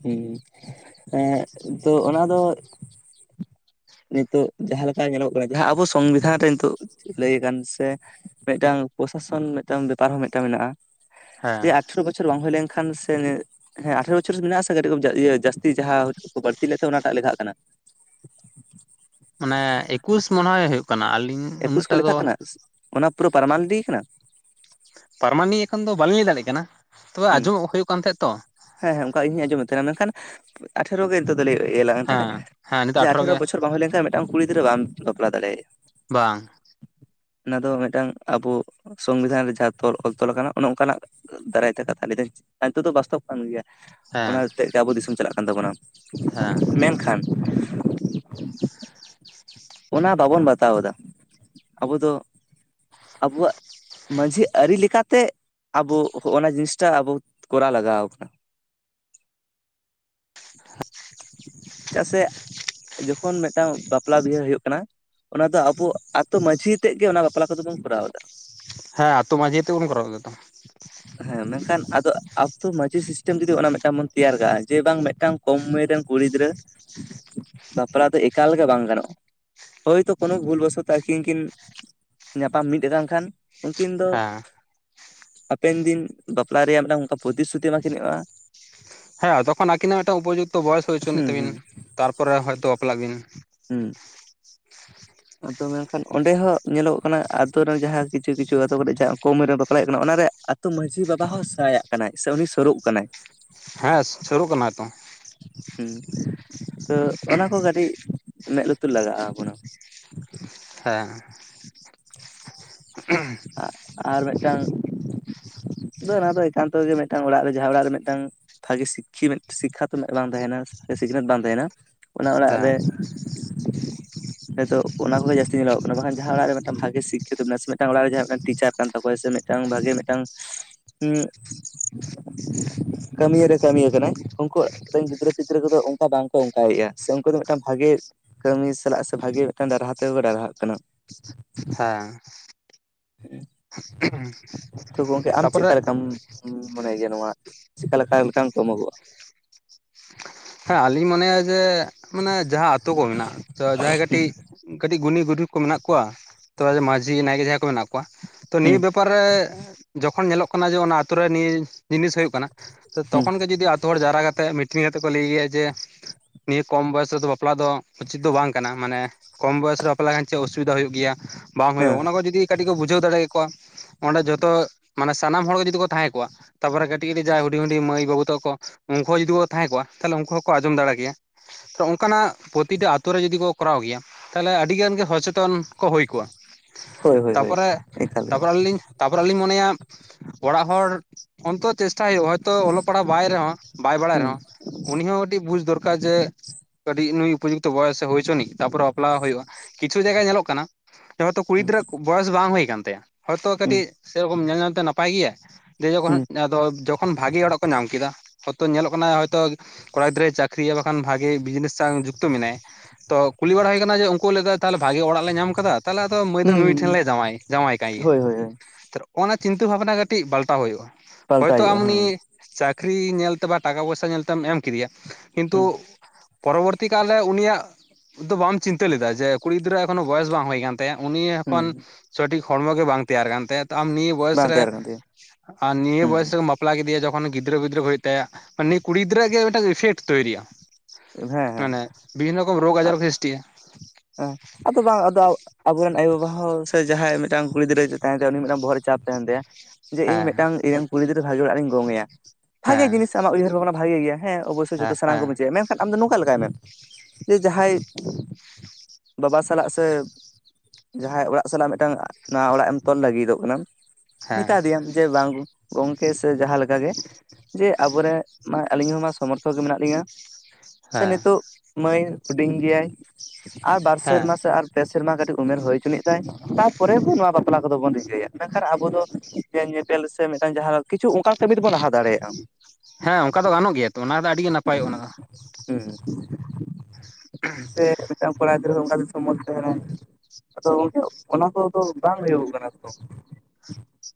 ᱦᱩᱸ ᱮᱸ ᱛᱚ ᱚᱱᱟ ᱫᱚ ᱱᱤᱛᱚᱜ ᱡᱟᱦᱟᱸ ᱞᱮᱠᱟ ᱧᱮᱞᱚᱜ ᱠᱟᱱᱟ ᱡᱟᱦᱟᱸ ᱟᱵᱚ ᱥᱚᱝᱵᱤᱫᱷᱟᱱ ᱨᱮ ᱱᱤᱛᱚᱜ ᱞᱟᱹᱭ ᱟᱠᱟᱱ ᱥᱮ ᱢᱤᱫᱴᱟᱝ ᱯᱨᱚᱥᱟᱥᱚᱱ ᱢᱤᱫᱴᱟᱝ ᱵᱮᱯᱟᱨ ᱦᱚᱸ ᱢᱤᱫᱴᱟᱝ ᱢᱮᱱᱟᱜᱼᱟ ᱡᱮ ᱦᱮᱸ ᱟᱴᱷᱟᱨᱚ ᱵᱚᱪᱷᱚᱨ ᱵᱚᱪᱷᱚᱨ ᱵᱟᱝ ᱦᱩᱭ ᱞᱮᱱᱠᱷᱟᱱ ᱥᱮ ᱦᱮᱸ ᱟᱴᱷᱟᱨᱚ ᱵᱚᱪᱷᱚᱨ ᱢᱮᱱᱟᱜᱥᱤᱭᱟᱹ ᱡᱟᱹᱥᱛᱤ ᱡᱟᱦᱟᱸ ᱵᱟᱹᱲᱛᱤ ᱞᱮᱫ ᱛᱟᱦᱮᱸ ᱚᱱᱟᱴᱟᱜ ᱞᱮᱠᱷᱟᱜ ᱠᱟᱱᱟ ᱢᱟᱱᱮ ᱮᱠᱩᱥ ᱢᱚᱱᱮ ᱦᱩᱭᱩᱜᱜ ᱠᱟᱱᱟ ᱟᱹᱞᱤᱧ ᱮᱠᱩᱥ ᱠᱚ ᱩᱱᱟᱹᱜᱴᱟ ᱫᱚ ᱞᱮᱠᱷᱟᱜ ᱠᱟᱱᱟ ᱚᱱᱟ ᱯᱩᱨᱟᱹ ᱯᱟᱨᱢᱟᱱᱮᱱᱴ ᱠᱟᱱᱟ ᱯᱟᱨᱢᱟᱱᱤ ᱮᱠᱷᱚᱱ ᱫᱚ ᱵᱟᱹᱞᱤᱧ ᱞᱟᱹᱭ ᱫᱟᱲᱮᱭᱟᱜ ᱠᱟᱱᱟ ᱛᱚᱵᱮ ᱦᱩᱸ ᱟᱸᱡᱚᱢᱚᱜ ᱦᱩᱭᱩᱜ ᱠᱟᱱ ᱛᱟᱦᱮᱸᱫ ᱛᱚ ᱦᱮᱸ ᱦᱮᱸ ᱚᱱᱠᱟ ᱤᱧ ᱦᱚᱸᱧ ᱟᱸᱡᱚᱢᱮᱫ ᱛᱟᱦᱮᱱᱟ ᱢᱮᱱᱠᱷᱟᱱ ᱟᱴᱷᱮᱨᱚ ᱜᱮ ᱱᱤᱛᱚᱜ ᱫᱚᱞᱮ ᱤᱭᱟᱹᱞᱟ ᱛᱮ ᱦᱮᱸ ᱦᱮᱸ ᱱᱤᱛᱚᱜ ᱡᱮ ᱟᱴᱷᱨᱚ ᱟᱴᱷᱮᱨᱚ ᱜᱮ ᱵᱚᱪᱚᱨ ᱵᱟᱝ ᱦᱩᱭ ᱞᱮᱱᱠᱷᱟᱱ ᱢᱤᱫᱴᱟᱝ ᱠᱩᱲᱤ ᱜᱤᱫᱽᱨᱟᱹ ᱵᱟᱢ ᱵᱟᱯᱞᱟ ᱫᱟᱲᱮᱭᱟᱜᱼᱟ ᱵᱟᱝ ᱚᱱᱟ ᱫᱚ ᱢᱤᱫᱴᱟᱝ ᱟᱵᱚ ᱥᱚᱝᱵᱤᱫᱷᱟᱱ ᱨᱮ ᱡᱟᱦᱟᱸ ᱛᱚᱞ ᱚᱞ ᱛᱚᱞ ᱚᱱᱮ ᱚᱱᱠᱟᱱᱟᱜ ᱫᱟᱨᱟᱭ ᱛᱮ ᱠᱟᱛᱷᱟ ᱞᱟᱹᱭ ᱱᱤᱛᱚᱜ ᱫᱚ ᱵᱟᱥᱛᱚᱵ ᱠᱟᱱ ᱜᱮᱭᱟ ᱦᱮᱸ ᱚᱱᱟᱛᱮᱫ ᱜᱮ ᱟᱵᱚ ᱫᱤᱥᱚᱢ ᱪᱟᱞᱟᱜ ᱠᱟᱱ ᱛᱟᱵᱚᱱᱟ ᱦᱮᱸ ᱠᱷᱟᱱ ᱚᱱᱟ ᱵᱟᱵᱚᱱ ᱵᱟᱛᱟᱣ ᱮᱫᱟ ᱟᱵᱚ ᱫᱚ ᱟᱵᱚᱣᱟᱜ ᱢᱟᱺᱡᱷᱤ ᱟᱹᱨᱤ ᱞᱮᱠᱟᱛᱮ ᱟᱵᱚ ᱦᱚᱜ ᱱᱟ ᱡᱤᱱᱤᱥ ᱴᱟᱜ ᱟᱵᱚ ᱠᱚᱨᱟᱣ ᱞᱟᱜᱟᱣ ᱟᱵᱚᱱᱟ [unintelligible] [unintelligible] ᱪᱮᱫᱟᱜ ᱥᱮ ᱡᱚᱠᱷᱚᱱ ᱢᱤᱫᱴᱟᱝ ᱵᱟᱯᱞᱟ ᱵᱤᱦᱟᱹ ᱦᱩᱭᱩᱜ ᱠᱟᱱᱟ ᱚᱱᱟ ᱫᱚ ᱟᱵᱚ ᱟᱛᱳ ᱢᱟᱺᱡᱷᱤ ᱛᱮᱫ ᱜᱮ ᱚᱱᱟ ᱵᱟᱯᱞᱟ ᱠᱚᱫᱚ ᱵᱚᱱ ᱠᱚᱨᱟᱣ ᱮᱫᱟ ᱦᱮᱸ ᱟᱛᱳ ᱢᱟᱡᱷᱤᱷ ᱟᱛᱮ ᱵᱚᱱ ᱠᱚᱨᱟᱣ ᱮᱫᱟ ᱛᱚ ᱦᱮᱸ ᱢᱮᱱᱠᱷᱟᱱ ᱟᱫᱚ ᱟᱛᱳ ᱢᱟᱺᱡᱷᱤ ᱥᱤᱥᱴᱮᱢ ᱡᱩᱫᱤ ᱚᱱᱟ ᱢᱤᱫᱴᱟᱝ ᱵᱚᱱ ᱛᱮᱭᱟᱨ ᱠᱟᱜᱼᱟ ᱡᱮ ᱵᱟᱝ ᱢᱤᱫᱴᱟᱝ ᱠᱚᱢ ᱩᱢᱮᱨ ᱨᱮᱱ ᱠᱩᱲᱤ ᱜᱤᱫᱽᱨᱟᱹ ᱵᱟᱯᱞᱟ ᱫᱚ ᱮᱠᱟᱞᱠᱟ ᱵᱟᱝ ᱜᱟᱱᱚᱜᱼᱟ ᱦᱳᱭ ᱛᱚ ᱠᱳᱱᱳ ᱵᱷᱩᱞ ᱵᱚᱥᱚᱛᱚ ᱟᱹᱠᱤᱱ ᱠᱤᱱ ᱧᱟᱯᱟᱢ ᱢᱤᱫ ᱠᱟᱱ ᱠᱷᱟᱱ ᱩᱱᱠᱤᱱ ᱫᱚ ᱦᱮᱸ ᱦᱟᱯᱮᱱ ᱫᱤᱱ ᱵᱟᱯᱞᱟ ᱨᱮᱭᱟᱜ ᱢᱤᱫᱟᱝ ᱚᱱᱠᱟ ᱯᱨᱚᱛᱤ ᱥᱨᱩᱛᱤ ᱮᱢᱟ ᱠᱤᱱ ᱦᱩᱭᱩᱜᱼᱟ ᱦᱮᱸ ᱛᱚᱠᱷᱚᱱ ᱟᱹᱠᱤᱱᱟᱜ ᱢᱤᱫᱴᱟᱝ ᱩᱯᱚ ᱡᱩᱠᱛᱚ ᱵᱚᱭᱮᱥ ᱦᱩᱭ ᱚᱪᱚ ᱦᱩᱸ ᱛᱟᱹᱠᱤᱱ ᱦᱩᱸ ᱛᱟᱨ ᱯᱚᱨᱮ ᱦᱚᱭᱛᱚ ᱵᱟᱯᱞᱟᱜ ᱵᱤᱱ ᱦᱮᱸ ᱟᱫᱚ ᱢᱮᱱᱠᱷᱟᱱ ᱚᱸᱰᱮ ᱦᱚᱸ ᱧᱮᱞᱚᱜᱚᱜ ᱠᱟᱱᱟ ᱟᱛᱳ ᱨᱮᱱ ᱡᱟᱦᱟᱸ ᱠᱤᱪᱷᱩ ᱠᱤᱪᱷᱩ ᱟᱛᱳ ᱠᱚᱨᱮ ᱡᱟᱦᱟᱸ ᱠᱚᱢ ᱩᱢᱮᱨ ᱨᱮ ᱵᱟᱯᱞᱟᱭ ᱠᱟᱱᱟ ᱚᱱᱟᱨᱮ ᱛᱚ ᱢᱟᱺᱡᱷᱤ ᱵᱟᱵᱟ ᱦᱚᱸ ᱥᱟᱭᱟᱜ ᱠᱟᱱᱟᱭ ᱥᱮ ᱩᱱᱤ ᱥᱩᱨᱩᱜ ᱠᱟᱱᱟᱭ ᱦᱮᱸ ᱥᱩᱨᱩᱜ ᱠᱟᱱᱟᱭ ᱛᱚ ᱦᱮᱸ ᱛᱚ ᱚᱱᱟ ᱠᱚ ᱠᱟᱹᱴᱤᱡ ᱢᱮᱸᱫ ᱞᱩᱛᱩᱨ ᱞᱟᱜᱟᱜᱼᱟ ᱵᱚᱱᱟ [unintelligible] [inaudible] [inaudible] ᱟᱨ ᱢᱤᱫᱴᱟᱝ ᱚᱱᱟ ᱫᱚ ᱮᱠᱟᱱᱛᱚ ᱜᱮ ᱢᱤᱫᱴᱟᱝ ᱚᱲᱟᱜ ᱨᱮ ᱡᱟᱦᱟᱸ ᱚᱲᱟᱜ ᱨᱮ ᱢᱤᱫᱴᱟᱝ ᱵᱷᱟᱜᱮ ᱥᱤᱠᱠᱷᱤ ᱥᱤᱠᱠᱷᱟᱛᱚ ᱢᱤᱫ ᱵᱟᱝ ᱛᱟᱦᱮᱱᱟᱮ ᱥᱤᱠᱷᱱᱟᱹᱛ ᱵᱟᱝ ᱛᱟᱦᱮᱱᱟ ᱚᱱᱟ ᱚᱲᱟᱜ ᱦᱮᱸ ᱨᱮ ᱱᱤᱛᱚᱜ ᱚᱱᱟ ᱠᱚᱜᱮ ᱡᱟᱹᱥᱛᱤ ᱧᱮᱞᱚᱜ ᱠᱟᱱᱟ ᱵᱟᱸᱠᱷᱟᱱ ᱡᱟᱦᱟᱸ ᱚᱲᱟᱜ ᱨᱮ ᱢᱤᱫᱴᱟᱝ ᱵᱷᱟᱜᱮ ᱥᱤᱠᱠᱷᱤᱛᱚ ᱢᱮᱥᱼᱼ ᱢᱤᱫ ᱴᱟᱝ ᱚᱲᱟᱜ ᱨᱮ ᱡᱟᱦᱟᱸ ᱢᱤᱫ ᱴᱟᱝ ᱴᱤᱪᱟᱨ ᱠᱟᱱ ᱛᱟᱵᱚ ᱟᱭ ᱥᱮ ᱢᱤᱫ ᱴᱟᱝ ᱵᱷᱟᱜᱮ ᱢᱤᱫ ᱴᱟᱝ [inaudible] ᱠᱟᱹᱢᱤᱭᱟᱹ ᱨᱮ ᱠᱟᱹᱢᱤ ᱠᱟᱱᱟᱭ ᱩᱱᱠᱩ ᱨᱮᱱ ᱜᱤᱫᱽᱨᱟᱹ ᱯᱤᱫᱽᱨᱟᱹ ᱠᱚᱫᱚ ᱚᱱᱠᱟ ᱵᱟᱝ ᱠᱚ ᱚᱱᱠᱟᱭᱮᱜᱼᱟ ᱥᱮ ᱩᱱᱠᱩ ᱫᱚ ᱢᱤᱫ ᱴᱟᱝ ᱵᱷᱟᱜᱮ ᱠᱟᱹᱢᱤ ᱥᱟᱞᱟᱜ ᱥᱮ ᱵᱷᱟᱜᱮ ᱢᱤᱫ ᱴᱟᱝ ᱰᱟᱨᱦᱟ ᱛᱮᱠᱚ ᱰᱟᱨᱟᱦᱟᱜ ᱠᱟᱱᱟ ᱦᱮᱸ ᱛᱚ ᱜᱚᱝᱠᱮ ᱟᱢ ᱛᱟᱯᱚᱨᱮ ᱪᱮᱫᱠᱟ ᱞᱮᱠᱟᱢ ᱢᱟᱱᱮ ᱜᱮ ᱱᱚᱣᱟ ᱪᱮᱠᱟ ᱞᱮᱠᱟ ᱢᱤᱫ ᱴᱟᱝ ᱠᱚ ᱮᱢᱚᱜᱚᱜᱼᱟ ᱦᱮᱸ ᱟᱞᱤᱧ ᱢᱚᱱᱮᱭᱟ ᱡᱮ ᱢᱟᱱᱮ ᱡᱟᱦᱟᱸ ᱟᱛᱳ ᱠᱚ ᱢᱮᱱᱟᱜᱼᱟ ᱡᱟᱦᱟᱸᱭ ᱦᱩᱸ ᱠᱟᱹᱴᱤᱡ ᱠᱟᱹᱴᱤᱡ ᱜᱩᱱᱤ ᱜᱩᱨᱤᱵ ᱠᱚ ᱢᱮᱱᱟᱜ ᱠᱚᱣᱟ ᱛᱚ ᱢᱟᱹᱡᱷᱤ ᱱᱟᱭᱠᱮ ᱡᱟᱦᱟᱸᱭ ᱠᱚ ᱢᱮᱱᱟᱜ ᱠᱚᱣᱟ ᱛᱚ ᱦᱩᱸ ᱱᱤᱭᱟᱹ ᱵᱮᱯᱟᱨ ᱨᱮ ᱡᱚᱠᱷᱚᱱ ᱧᱮᱞᱚᱜᱼᱼ ᱠᱟᱱᱟ ᱡᱮ ᱚᱱᱟ ᱟᱛᱳ ᱨᱮ ᱱᱤᱭᱟᱹ ᱡᱤᱱᱤᱥ ᱦᱩᱭᱩᱜ ᱠᱟᱱᱟ ᱛᱚ ᱦᱩᱸ ᱛᱚᱠᱷᱚᱱ ᱜᱮ ᱡᱩᱫᱤ ᱟᱛᱳ ᱦᱚᱲ ᱡᱟᱣᱨᱟ ᱠᱟᱛᱮ ᱢᱤᱴᱤᱝ ᱠᱟᱛᱮ ᱞᱟᱹᱭ ᱜᱮᱭᱟ ᱡᱮ ᱱᱤᱭᱟᱹ ᱠᱚᱢ ᱵᱚᱭᱮᱥ ᱨᱮᱫᱚ ᱵᱟᱯᱞᱟ ᱫᱚ ᱩᱪᱤᱛ ᱫᱚ ᱵᱟᱝ ᱠᱟᱱᱟ ᱢᱟᱱᱮ ᱠᱚᱢ ᱵᱚᱭᱚᱥ ᱨᱮ ᱵᱟᱯᱞᱟ ᱞᱮᱠᱷᱟᱱ ᱪᱮᱫ ᱚᱥᱩᱵᱤᱫᱷᱟ ᱦᱩᱭᱩᱜ ᱜᱮᱭᱟ ᱵᱟᱝ ᱦᱩᱭᱩᱜᱼᱟ ᱦᱮᱸ ᱚᱱᱟ ᱠᱚ ᱡᱚᱫᱤ ᱠᱟᱹᱴᱤᱡ ᱠᱚ ᱵᱩᱡᱷᱟᱹᱣ ᱫᱟᱲᱮ ᱠᱮ ᱠᱚᱣᱟ ᱚᱸᱰᱮ ᱡᱷᱚᱛᱚ ᱢᱟᱱᱮ ᱥᱟᱱᱟᱢ ᱦᱚᱲ ᱠᱚ ᱡᱩᱫᱤ ᱠᱚ ᱛᱟᱦᱮᱸ ᱠᱚᱜᱼᱟ ᱛᱟᱨ ᱯᱚᱨᱮ ᱠᱟᱹᱴᱤᱡ ᱠᱟᱹᱴᱤᱡ ᱦᱩᱰᱤᱧ ᱦᱩᱰᱤᱧ ᱢᱟᱹᱭ ᱵᱟᱹᱵᱩ ᱛᱟᱠᱚ ᱩᱱᱠᱩ ᱦᱚᱸ ᱡᱩᱫᱤ ᱠᱚ ᱛᱟᱦᱮᱸ ᱠᱚᱜᱼᱟ ᱛᱟᱦᱚᱞᱮ ᱩᱱᱠᱩ ᱦᱚᱸᱠᱚ ᱟᱸᱡᱚᱢ ᱫᱟᱲᱮ ᱠᱮᱭᱟ ᱚᱱᱠᱟᱱᱟᱜ ᱯᱨᱚᱛᱤᱴᱟ ᱟᱛᱳᱨᱮ ᱡᱩᱫᱤ ᱠᱚ ᱠᱚᱨᱟᱣ ᱜᱮᱭᱟ ᱛᱟᱦᱚᱞᱮ ᱟᱹᱰᱤ ᱜᱟᱱ ᱜᱮ ᱥᱚᱪᱮᱛᱚᱱ ᱠᱚ ᱦᱩᱭ ᱠᱚᱜᱼᱟ ᱦᱳᱭ ᱦᱳᱭ ᱛᱟᱨ ᱦᱳᱭ ᱯᱚᱨᱮ ᱮᱠᱟᱞ ᱛᱟᱨ ᱜᱮ ᱯᱚᱨᱮ ᱟᱹᱞᱤᱧ ᱛᱟᱨ ᱯᱚᱨᱮ ᱞᱤᱧ ᱢᱚᱱᱮᱭᱟ ᱚᱲᱟᱜ ᱦᱚᱲ ᱚᱱᱛᱚ ᱪᱮᱥᱴᱟ ᱦᱩᱭᱩᱜᱼᱟ ᱦᱚᱭᱛᱚ ᱚᱞᱚᱜ ᱯᱟᱲᱦᱟᱜ ᱵᱟᱭ ᱨᱮᱦᱚᱸ ᱵᱟᱭ ᱵᱟᱲᱟᱭ ᱦᱩᱸ ᱨᱮᱦᱚᱸ ᱩᱱᱤ ᱦᱚᱸ ᱠᱟᱹᱴᱤᱡ ᱵᱩᱡᱽ ᱫᱚᱨᱠᱟᱨ ᱡᱮ ᱠᱟᱹᱴᱤᱡ ᱱᱩᱭ ᱩᱯᱚ ᱡᱩᱠᱛᱚ ᱵᱚᱭᱮᱥ ᱥᱮ ᱦᱩᱭ ᱪᱚᱱᱤᱡ ᱛᱟᱨ ᱯᱚᱨᱮ ᱵᱟᱯᱞᱟ ᱦᱩᱭᱩᱜᱼᱟ ᱠᱤᱪᱷᱩ ᱡᱟᱭᱜᱟ ᱧᱮᱞᱚᱜ ᱠᱟᱱᱟ ᱦᱚᱭᱛᱚ ᱠᱩᱲᱤ ᱦᱩᱸ ᱜᱤᱫᱽᱨᱟᱹ ᱟᱜ ᱵᱚᱭᱮᱥ ᱵᱟᱝ ᱦᱩᱭ ᱠᱟᱱ ᱛᱟᱭᱟ ᱦᱚᱭᱛᱚ ᱦᱩᱸ ᱠᱟᱹᱴᱤᱡ ᱥᱮ ᱨᱚᱠᱚᱢ ᱧᱮᱞ ᱧᱮᱞᱛᱮ ᱱᱟᱯᱟᱭ ᱜᱮᱭᱟ ᱡᱚᱠᱷᱚᱱ ᱦᱩᱸ ᱟᱫᱚ ᱵᱷᱟᱜᱤ ᱚᱲᱟᱜ ᱠᱚ ᱧᱟᱢ ᱠᱮᱫᱟ ᱦᱚᱭᱛᱚ ᱧᱮᱞᱚᱜ ᱠᱟᱱᱟ ᱦᱚᱭᱛᱚ ᱠᱚᱲᱟ ᱜᱤᱫᱽᱨᱟᱹ ᱪᱟᱠ ᱟᱹᱠᱷᱨᱤᱭᱟ ᱵᱟᱠᱷᱟᱱ ᱵᱷᱟᱜᱤ ᱵᱤᱡᱽᱱᱮᱥ ᱥᱟᱶ ᱡᱩᱠᱛᱚ ᱢᱮᱱᱟᱭᱟ ᱛᱚ ᱠᱩᱞᱤ ᱵᱟᱲᱟ ᱦᱩᱭ ᱠᱟᱱᱟ ᱡᱮ ᱩᱱᱠᱩ ᱞᱮᱠᱟ ᱛᱟᱦᱞᱮ ᱵᱷᱟᱜᱮ ᱚᱲᱟᱜ ᱞᱮ ᱧᱟᱢ ᱠᱮᱫᱟ ᱛᱟᱦᱚᱞᱮ ᱟᱫᱚ ᱢᱟᱹᱭ ᱫᱚ ᱱᱩᱭ ᱦᱩᱸ ᱴᱷᱮᱱ ᱞᱮ ᱡᱟᱶᱟᱭ ᱡᱟᱶᱟᱭ ᱠᱟᱭ ᱜᱮᱭᱟ ᱦᱳᱭ ᱦᱳᱭ ᱦᱳᱭ ᱚᱱᱟ ᱪᱤᱱᱛᱟᱹ ᱵᱷᱟᱵᱱᱟ ᱠᱟᱹᱴᱤᱡ ᱯᱟᱞᱴᱟᱣ ᱦᱩᱭᱩᱜᱼᱟ ᱯᱟᱞᱴᱟᱣ ᱦᱚᱭᱛᱚ ᱦᱩᱭᱩᱜᱼᱟ ᱟᱢ ᱦᱩᱸ ᱩᱱᱤ ᱪᱟᱹᱠᱨᱤ ᱧᱮᱞ ᱛᱮ ᱵᱟ ᱴᱟᱠᱟ ᱯᱚᱭᱥᱟ ᱧᱮᱞ ᱛᱮᱢ ᱮᱢ ᱠᱮᱫᱮᱭᱟ ᱠᱤᱱᱛᱩ ᱦᱩᱸ ᱯᱚᱨᱚᱵᱚᱨᱛᱤ ᱠᱟᱞᱨᱮ ᱩᱱᱤᱭᱟᱜ ᱫᱚ ᱵᱟᱢ ᱪᱤᱱᱛᱟᱹ ᱞᱮᱫᱟ ᱡᱮ ᱠᱩᱲᱤ ᱜᱤᱫᱽᱨᱟᱹ ᱮᱠᱷᱚᱱᱳ ᱵᱚᱭᱮᱥ ᱵᱟᱝ ᱦᱩᱭ ᱠᱟᱱ ᱩᱱᱤ ᱦᱩᱸ ᱮᱠᱷᱚᱱ ᱥᱚᱴᱷᱤᱠ ᱦᱚᱲᱢᱚ ᱜᱮ ᱵᱟᱝ ᱛᱮᱭᱟᱨ ᱠᱟᱱ ᱛᱟᱭᱟ ᱟᱢ ᱱᱤᱭᱟᱹ ᱵᱚᱭᱮᱥ ᱵᱟᱝ ᱨᱮ ᱛᱮᱭᱟᱨ ᱠᱟᱱ ᱛᱟᱭᱟ ᱟᱨ ᱱᱤᱭᱟᱹ ᱦᱩᱸ ᱵᱚᱭᱮᱥ ᱨᱮᱢ ᱵᱟᱯᱞᱟ ᱠᱮᱫᱮᱭᱟ ᱡᱚᱠᱷᱚᱱ ᱜᱤᱫᱽᱨᱟᱹ ᱯᱤᱫᱽᱨᱟᱹ ᱠᱚ ᱦᱩᱭᱩᱜ ᱛᱟᱭᱟ ᱩᱱᱤ ᱠᱩᱲᱤ ᱜᱤᱫᱽᱨᱟᱹ ᱟᱜ ᱜᱮ ᱢᱤᱫ ᱴᱟᱝ ᱤᱯᱷᱮᱴ ᱛᱳᱭᱨᱤᱼᱟ ᱦᱮᱸ ᱦᱮᱸ ᱢᱟᱱᱮ ᱵᱤᱵᱷᱤᱱᱱᱚ ᱨᱚᱠᱚᱢ ᱨᱳᱜᱽ ᱟᱡᱟᱨ ᱥᱨᱤᱥᱴᱤ ᱟ ᱦᱮᱸ ᱟᱫᱚ ᱵᱟᱝ ᱟᱫᱚ ᱟᱵᱚ ᱨᱮᱱ ᱟᱭᱳ ᱵᱟᱵᱟ ᱦᱚᱸ ᱥᱮ ᱡᱟᱦᱟᱸᱭ ᱢᱤᱫ ᱴᱟᱝ ᱠᱩᱲᱤ ᱜᱤᱫᱽᱨᱟᱹ ᱛᱟᱦᱮᱸᱱ ᱛᱟᱭᱟ ᱩᱱᱤ ᱢᱤᱫᱴᱟᱝ ᱵᱚᱦᱚᱜ ᱨᱮ ᱪᱟᱯ ᱛᱟᱸᱦᱮᱱ ᱛᱟᱭᱟ ᱡᱮ ᱤᱧ ᱢᱤᱫ ᱦᱮᱸ ᱴᱟᱝ ᱤᱧ ᱨᱮᱱ ᱠᱩᱲᱤ ᱜᱤᱫᱽᱨᱟᱹ ᱵᱷᱟᱜᱮ ᱚᱲᱟᱜ ᱨᱤᱧ ᱜᱚᱝ ᱮᱭᱟ ᱵᱷᱟᱜᱮ ᱦᱮᱸ ᱡᱤᱱᱤᱥ ᱟᱢᱟᱜ ᱩᱭᱦᱟᱹᱨ ᱵᱷᱟᱵᱽᱱᱟ ᱵᱷᱟᱜᱮ ᱜᱮᱭᱟ ᱦᱮᱸ ᱚᱵᱚᱥᱥᱳ ᱡᱚᱛᱚ ᱦᱮᱸ ᱥᱟᱱᱟᱢ ᱠᱚ ᱦᱮᱸ ᱯᱟᱪᱮ ᱟᱢ ᱫᱚ ᱱᱚᱝᱠᱟ ᱞᱮᱠᱟᱭ ᱢᱮ ᱡᱮ ᱡᱟᱦᱟᱸᱭ ᱵᱟᱵᱟ ᱥᱟᱞᱟᱜ ᱥᱮ ᱡᱟᱦᱟᱸᱭ ᱚᱲᱟᱜ ᱥᱟᱞᱟᱜ ᱢᱤᱫ ᱴᱟᱝ ᱱᱟᱣᱟ ᱚᱲᱟᱜ ᱮᱢ ᱛᱚᱞ ᱞᱟᱹᱜᱤ ᱫᱚᱜ ᱠᱟᱱᱟ ᱦᱮᱸ ᱢᱮᱛᱟ ᱫᱮᱭᱟᱢ ᱡᱮ ᱵᱟᱝ ᱜᱚᱝᱠᱮ ᱥᱮ ᱡᱟᱦᱟᱸ ᱞᱮᱠᱟ ᱜᱮ ᱡᱮ ᱟᱵᱚᱨᱮᱱ ᱢᱟ ᱟᱞᱤᱧ ᱦᱚᱸ ᱢᱟ ᱥᱚᱢᱚᱨᱛᱷᱚᱠ ᱜᱮ ᱢᱮᱱᱟᱜ ᱞᱤᱧᱟ ᱥᱮ ᱦᱮᱸ ᱱᱤᱛᱳᱜ ᱢᱟᱹᱭ ᱦᱩᱰᱤᱧ ᱜᱮᱭᱟᱭ ᱟᱨ ᱵᱟᱨ ᱦᱮᱸ ᱥᱮᱨᱢᱟ ᱥᱮ ᱟᱨ ᱯᱮ ᱥᱮᱨᱢᱟ ᱠᱟᱹᱴᱤᱡ ᱩᱢᱮᱨ ᱦᱩᱭ ᱪᱚᱱᱤᱜ ᱛᱟᱭ ᱛᱟᱨ ᱯᱚᱨᱮ ᱵᱚ ᱱᱚᱣᱟ ᱵᱟᱯᱞᱟ ᱠᱚᱫᱚ ᱵᱚᱱ ᱨᱤᱠᱟᱹᱭᱟ ᱢᱮᱱ ᱠᱷᱟᱱ ᱟᱵᱚ ᱫᱚ ᱧᱮᱯᱮᱞ ᱥᱮ ᱢᱤᱫ ᱴᱟᱝ ᱡᱟᱸᱦᱟ ᱠᱤᱪᱷᱩ ᱚᱱᱠᱟᱱ ᱠᱟᱹᱢᱤ ᱫᱚᱵᱚ ᱞᱟᱦᱟ ᱫᱟᱲᱮᱭᱟᱜᱼᱟ ᱦᱮᱸ ᱚᱱᱠᱟ ᱫᱚ ᱜᱟᱱᱚᱜ ᱜᱮᱭᱟ ᱛᱚ ᱚᱱᱟ ᱫᱚ ᱟᱹᱰᱤᱜᱮ ᱱᱟᱯᱟᱭᱚᱜᱼᱟ ᱚᱱᱟ ᱫᱚ [inaudible] ᱦᱩᱸ ᱥᱮ ᱢᱤᱫ ᱴᱟᱝ ᱠᱚᱲᱟ ᱜᱤᱫᱽᱨᱟᱹ ᱦᱚᱸ ᱚᱱᱠᱟ ᱜᱮ ᱥᱚᱦᱚᱢᱚᱛ ᱛᱟᱸᱦᱮᱱᱟᱭ ᱟᱫᱚ ᱜᱚᱝᱠᱮ ᱚᱱᱟ ᱠᱚᱫᱚ ᱵᱟᱝ ᱦᱩᱭᱩᱜ ᱠᱟᱱᱟ ᱛᱚ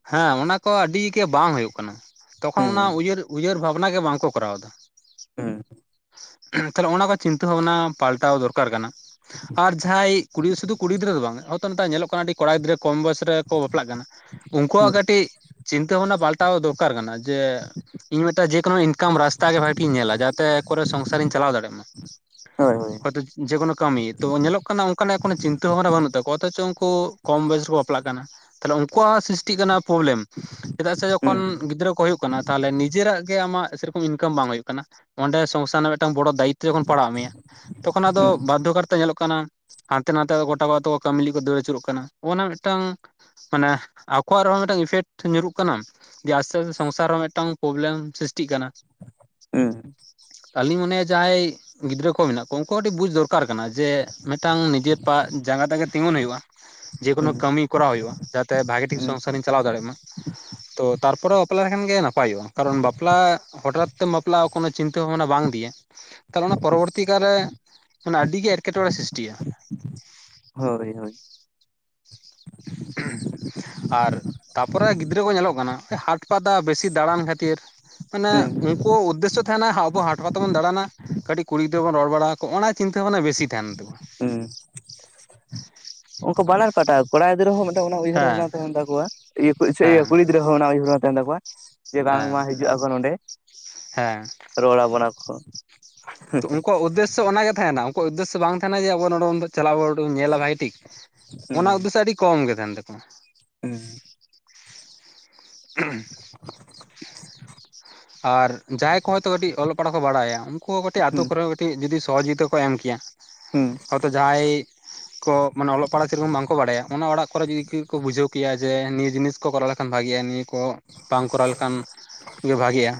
ᱦᱮᱸ ᱚᱱᱟ ᱠᱚ ᱟᱹᱰᱤ ᱜᱮ ᱵᱟᱝ ᱦᱩᱭᱩᱜ ᱠᱟᱱᱟ ᱛᱚᱠᱷᱚᱱ ᱚᱱᱟ ᱦᱩᱸ ᱩᱭᱦᱟᱹᱨ ᱩᱭᱦᱟᱹᱨ ᱵᱷᱟᱵᱽᱱᱟ ᱜᱮ ᱵᱟᱝ ᱠᱚ ᱠᱚᱨᱟᱣ ᱫᱟ ᱦᱩᱸ ᱛᱟᱦᱚᱞᱮ ᱚᱱᱟ ᱠᱚ ᱪᱤᱱᱛᱟᱹ ᱵᱷᱟᱵᱽᱱᱟ ᱯᱟᱞᱴᱟᱣ ᱫᱚᱨᱠᱟᱨ ᱠᱟᱱᱟ ᱟᱨ ᱡᱟᱦᱟᱸᱭ ᱠᱩᱲᱤ ᱥᱩᱫᱩ ᱠᱩᱲᱤ ᱜᱤᱫᱽᱨᱟᱹ ᱫᱚ ᱵᱟᱝ ᱱᱚᱜᱼᱱᱮᱛᱟᱨ ᱧᱮᱞᱚᱜ ᱠᱟᱱᱟ ᱟᱹᱰᱤ ᱠᱚᱲᱟ ᱜᱤᱫᱽᱨᱟᱹ ᱠᱚᱢ ᱵᱚᱭᱮᱥ ᱨᱮᱠᱚ ᱵᱟᱯᱞᱟᱜ ᱠᱟᱱᱟ ᱩᱱᱠᱩᱣᱟᱜ ᱦᱩᱸ ᱠᱟᱹᱴᱤᱡ ᱪᱤᱱᱛᱟᱹ ᱵᱷᱟᱵᱽᱱᱟ ᱯᱟᱞᱴᱟᱣ ᱫᱚᱨᱠᱟᱨ ᱠᱟᱱᱟ ᱡᱮ ᱤᱧ ᱢᱤᱫᱴᱮᱱ ᱡᱮᱠᱳᱱᱳ ᱤᱱᱠᱟᱢ ᱨᱟᱥᱛᱟ ᱜᱮ ᱵᱷᱟᱜᱤᱧ ᱧᱮᱞᱟ ᱡᱟᱛᱮᱠᱚᱨᱮ ᱥᱚᱝᱥᱟᱨᱤᱧ ᱪᱟᱞᱟᱣ ᱫᱟᱲᱮᱭᱟᱜ ᱢᱟ ᱦᱳᱭ ᱦᱳᱭ ᱦᱚᱛ [unintelligible] ᱡᱮᱠᱳᱱᱳ ᱠᱟᱹᱢᱤ ᱛᱚ ᱧᱮᱞᱚᱜ ᱠᱟᱱᱟ ᱚᱱᱠᱟᱱᱟᱜ ᱠᱳᱱᱳ ᱪᱤᱱᱛᱟᱹ ᱵᱷᱟᱵᱱᱟ ᱵᱟᱹᱱᱩᱜ ᱛᱟᱠᱚᱣᱟ ᱚᱛᱷᱚᱪᱚ ᱩᱱᱠᱩ ᱠᱚᱢ ᱵᱚᱭᱮᱥ ᱨᱮᱠᱚ ᱵᱟᱯᱞᱟᱜ ᱠᱟᱱᱟ ᱛᱟᱦᱞᱮ ᱩᱱᱠᱩᱣᱟᱜ ᱥᱨᱤᱥᱴᱤᱜ ᱠᱟᱱᱟ ᱯᱨᱚᱵᱽᱞᱮᱢ ᱪᱮᱫᱟᱜ ᱥᱮ ᱡᱚᱠᱷᱚᱱ ᱦᱩᱸ ᱜᱤᱫᱽᱨᱟᱹ ᱠᱚ ᱦᱩᱭᱩᱜ ᱠᱟᱱᱟ ᱛᱟᱦᱚᱞᱮ ᱱᱤᱡᱮᱨᱟᱜ ᱜᱮ ᱟᱢᱟᱜ ᱥᱮᱨᱚᱠᱚᱢ ᱤᱱᱠᱟᱢ ᱵᱟᱝ ᱦᱩᱭᱩᱜ ᱠᱟᱱᱟ ᱚᱸᱰᱮ ᱥᱚᱝᱥᱟ ᱨᱮᱱᱟᱜ ᱢᱤᱫᱴᱟᱝ ᱵᱚᱲᱚ ᱫᱟᱭᱤᱛ ᱡᱚᱠᱷᱚᱱ ᱯᱟᱲᱦᱟᱜ ᱢᱮᱭᱟ ᱛᱚᱠᱷᱚᱱ ᱟᱫᱚ ᱦᱩᱸ ᱵᱟᱫᱽᱫᱷᱚᱠᱟᱨᱛᱮ ᱧᱮᱞᱚᱜ ᱠᱟᱱᱟ ᱦᱟᱱᱛᱮ ᱱᱟᱛᱮ ᱜᱚᱴᱟ ᱠᱚᱛᱮ ᱠᱚ ᱠᱟᱹᱢᱤ ᱞᱟᱹᱜᱤᱫ ᱠᱚ ᱫᱟᱹᱲ ᱟᱪᱩᱨᱚᱜ ᱠᱟᱱᱟ ᱚᱱᱟ ᱢᱤᱫᱴᱟᱝ ᱢᱟᱱᱮ ᱟᱠᱚᱣᱟᱜ ᱨᱮᱦᱚᱸ ᱢᱤᱫᱴᱟᱝ ᱤᱯᱷᱮᱠᱴ ᱧᱩᱨᱩᱜ ᱠᱟᱱᱟ ᱡᱮ ᱟᱥᱛᱮ ᱟᱥᱛᱮ ᱥᱚᱝᱥᱟᱨ ᱨᱮ ᱦᱚᱸ ᱢᱤᱫᱴᱟᱝ ᱯᱨᱚᱵᱞᱮᱢ ᱥᱨᱤᱥᱴᱤᱜ ᱠᱟᱱᱟ ᱦᱩᱸ ᱟᱞᱤᱧ ᱢᱚᱱᱮ ᱡᱟᱦᱟᱸᱭ ᱜᱤᱫᱽᱨᱟᱹ ᱠᱚ ᱢᱮᱱᱟᱜ ᱠᱚᱣᱟ ᱩᱱᱠᱩ ᱠᱟᱹᱴᱤᱡ ᱵᱩᱡ ᱫᱚᱨᱠᱟᱨ ᱫᱚᱨᱠᱟᱨ ᱠᱟᱱᱟ ᱡᱮ ᱢᱤᱫᱴᱟᱝ ᱱᱤᱡᱮᱨ ᱯᱟ ᱡᱟᱸᱜᱟ ᱛᱮᱜᱮ ᱛᱤᱸᱜᱩᱱ ᱦᱩᱭᱩᱜᱼᱟ ᱡᱮᱠᱳᱱᱳ ᱦᱩᱸ ᱠᱟᱹᱢᱤ ᱠᱚᱨᱟᱣ ᱦᱩᱭᱩᱜᱼᱟ ᱡᱟᱛᱮ ᱵᱷᱟᱜᱤ ᱴᱷᱤᱠ ᱦᱩᱸ ᱥᱚᱝᱥᱟᱨᱤᱧ ᱪᱟᱞᱟᱣ ᱫᱟᱲᱮᱭᱟᱜ ᱢᱟ ᱛᱚ ᱛᱟᱨᱯᱚᱨᱮ ᱵᱟᱯᱞᱟ ᱞᱮᱠᱷᱟᱱ ᱜᱮ ᱱᱟᱯᱟᱭᱚᱜᱼᱟ ᱠᱟᱨᱚᱱ ᱵᱟᱯᱞᱟ ᱦᱚᱴᱟᱛ ᱛᱮᱢ ᱵᱟᱯᱞᱟᱜᱼᱟ ᱠᱳᱱᱚ ᱪᱤᱱᱛᱟᱹ ᱵᱷᱟᱵᱽᱱᱟ ᱵᱟᱝᱤᱫᱤᱭᱟ ᱛᱟᱦᱚᱞᱮ ᱚᱱᱟ ᱯᱚᱨᱚᱵᱚᱨᱛᱤ ᱠᱟᱞᱨᱮ ᱢᱟᱱᱮ ᱟᱹᱰᱤ ᱜᱮ ᱮᱴᱠᱮᱴᱚᱬᱮ ᱥᱨᱤᱥᱴᱤᱜᱼᱟ ᱦᱳᱭ ᱦᱳᱭ ᱦᱩᱸ ᱟᱨ ᱛᱟᱯᱚᱨᱮ ᱜᱤᱫᱽᱨᱟᱹ ᱠᱚ ᱧᱮᱞᱚᱜ ᱠᱟᱱᱟ ᱦᱟᱴ ᱯᱟᱛᱟ ᱵᱮᱥᱤ ᱫᱟᱬᱟᱱ ᱠᱷᱟᱹᱛᱤᱨ ᱢᱟᱱᱮ ᱦᱩᱸ ᱩᱱᱠᱩ ᱩᱫᱽᱫᱮᱥᱚ ᱛᱟᱦᱮᱱᱟ ᱟᱵᱚ ᱦᱟᱴᱚ ᱯᱟᱛᱟ ᱵᱚᱱ ᱫᱟᱬᱟᱱᱟ ᱠᱟᱹᱴᱤᱡ ᱠᱩᱲᱤ ᱜᱤᱫᱽᱨᱟ ᱵᱚᱱ ᱨᱚᱲ ᱵᱟᱲᱟ ᱟᱠᱣᱟ ᱚᱱᱟ ᱪᱤᱱᱛᱟᱹ ᱵᱷᱟᱱᱟ ᱵᱮᱥᱤ ᱛᱟᱦᱮᱱ ᱛᱟᱵᱚᱱ ᱦᱩᱸ ᱩᱱᱠᱩ ᱵᱟᱱᱟᱨ ᱯᱟᱴᱟᱜᱟᱼᱟ ᱠᱚᱲᱟ ᱜᱤᱫᱽᱨᱟᱹ ᱦᱚᱸ ᱢᱤᱫᱴ ᱩᱭᱦᱟᱹᱨ ᱦᱮᱸ ᱛᱟᱦᱮᱱ ᱛᱟᱠᱚᱣᱟᱤᱭᱟᱹ ᱦᱮᱸ ᱠᱩᱲᱤ ᱜᱤᱫᱽᱨᱟᱹ ᱦᱚᱸ ᱚᱱᱟ ᱩᱭᱦᱟᱹᱨ ᱛᱟᱦᱮᱱ ᱛᱟᱠᱚᱣᱟ ᱡᱮ ᱦᱮᱸ ᱵᱟᱝᱢᱟ ᱦᱤᱡᱩᱜ ᱟᱠᱚ ᱱᱚᱸᱰᱮ ᱦᱮᱸ ᱨᱚᱲ ᱟᱵᱚᱱᱟᱠᱚ ᱛᱚ ᱩᱱᱠᱩᱣᱟᱜ ᱩᱫᱮᱥᱥᱚ ᱚᱱᱟᱜᱮ ᱛᱟᱦᱮᱱᱟ ᱩᱱᱠᱩᱣᱟᱜ ᱩᱫᱮᱥᱥᱚ ᱵᱟᱝ ᱛᱟᱦᱮᱱᱟ ᱡᱮ ᱟᱵᱚ ᱱᱚᱸᱰᱮ ᱫᱚ ᱪᱟᱞᱟᱣ ᱟᱵᱚᱱ ᱠᱟᱹᱴᱤᱡ ᱧᱮᱞᱟ ᱵᱷᱟᱭ ᱴᱷᱤᱠ ᱚᱱᱟ ᱩᱫᱽᱫᱮᱥᱥᱚ ᱟᱹᱰᱤ ᱠᱚᱢ ᱜᱮ ᱛᱟᱦᱮᱱ ᱛᱟᱠᱚᱣᱟ ᱦᱮᱸ [unintelligible] [unintelligible] [unintelligible] ᱟᱨ ᱡᱟᱦᱟᱸᱭ ᱠᱚ ᱦᱚᱭᱛᱳ ᱠᱟᱹᱴᱤᱡ ᱚᱞᱚᱜ ᱯᱟᱲᱦᱟᱜ ᱠᱚ ᱵᱟᱲᱟᱭᱟ ᱩᱱᱠᱩ ᱠᱟᱹᱴᱤᱡ ᱟᱛᱳ ᱦᱩᱸ ᱠᱚᱨᱮ ᱡᱩᱫᱤ ᱥᱚᱦᱚᱡᱳᱜᱤᱛᱟ ᱠᱚ ᱮᱢ ᱠᱮᱭᱟ ᱦᱩᱸ ᱦᱚᱭᱛᱳ ᱡᱟᱦᱟᱸᱭ ᱠᱚ ᱢᱟᱱᱮ ᱚᱞᱚᱜ ᱯᱟᱲᱦᱟᱜ ᱥᱮ ᱨᱚᱠᱚᱢ ᱵᱟᱝᱠᱚ ᱵᱟᱲᱟᱭᱟ ᱚᱱᱟ ᱚᱲᱟᱜ ᱠᱚᱨᱮ ᱡᱩᱫᱤᱠᱚ ᱵᱩᱡᱷᱟᱹᱣ ᱠᱮᱭᱟ ᱡᱮ ᱱᱤᱭᱟᱹ ᱡᱤᱱᱤᱥ ᱠᱚ ᱠᱚᱨᱟᱣ ᱞᱮᱠᱷᱟᱱ ᱵᱷᱟᱜᱮᱜᱼᱟ ᱱᱤᱭᱟᱹ ᱠᱚ ᱵᱟᱝ ᱠᱚᱨᱟᱣ ᱞᱮᱠᱷᱟᱱ ᱜᱮ ᱵᱷᱟᱜᱮᱜᱼᱟ